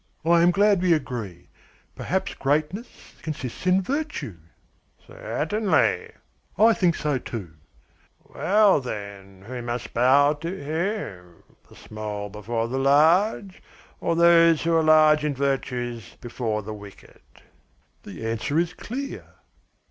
I am glad we agree. Perhaps greatness consists in virtue?" "Certainly." "I think so, too." "Well, then, who must bow to whom? The small before the large, or those who are great in virtues before the wicked?" "The answer is clear."